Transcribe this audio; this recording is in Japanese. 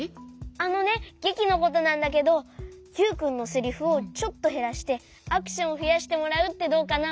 あのねげきのことなんだけどユウくんのセリフをちょっとへらしてアクションをふやしてもらうってどうかな？